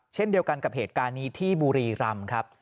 เช่นเดียวกันกับเหตุการณ์นี้ที่บุรีรำครับ